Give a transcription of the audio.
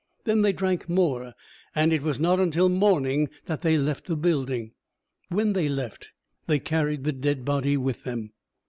Then they drank more; and it was not until morning that they left the building. When they left, they carried the dead body with them.